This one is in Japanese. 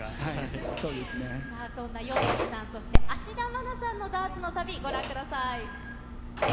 そんなＹＯＳＨＩＫＩさん、そして芦田愛菜さんのダーツの旅をご覧ください。